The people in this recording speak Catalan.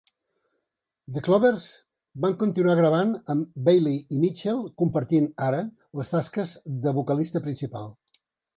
The Clovers van continuar gravant amb Bailey i Mitchell compartint ara les tasques de vocalista principal.